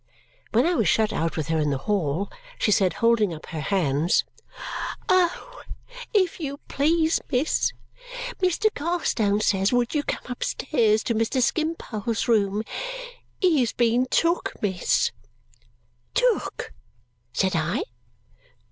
When I was shut out with her in the hall, she said, holding up her hands, "Oh, if you please, miss, Mr. Carstone says would you come upstairs to Mr. Skimpole's room. He has been took, miss!" "Took?" said I.